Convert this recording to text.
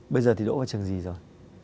bây giờ thì đỗ vào trường gì rồi